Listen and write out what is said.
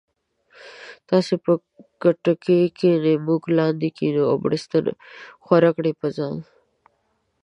تاسي به کټکی کینې مونږ لاندې کینو او بړستن ښوره کړي په ځان